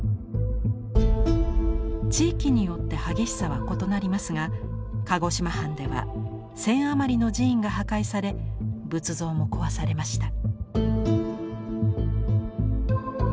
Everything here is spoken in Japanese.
地域によって激しさは異なりますが鹿児島藩では１，０００余りの寺院が破壊され仏像も壊されました。